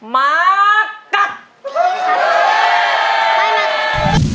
หาร้องหน่อย